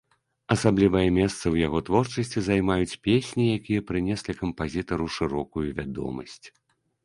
Асаблівае месца ў яго творчасці займаюць песні, якія прынеслі кампазітару шырокую вядомасць.